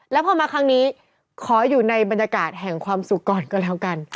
แล้วพอมาครั้งนี้ขออยู่ในบรรยากาศแห่งความสุขก่อนก็แล้วกัน